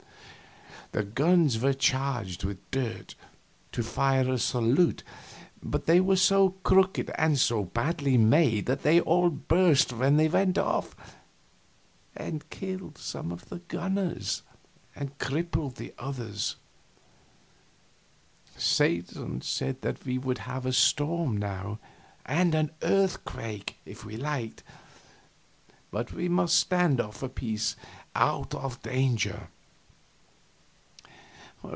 The guns were charged with dirt, to fire a salute, but they were so crooked and so badly made that they all burst when they went off, and killed some of the gunners and crippled the others. Satan said we would have a storm now, and an earthquake, if we liked, but we must stand off a piece, out of danger.